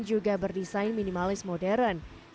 juga berdesain minimalis modern